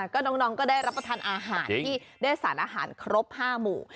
ก็น้องก็ได้รับประทานอาหารที่ได้สารอาหารครบ๕หมู่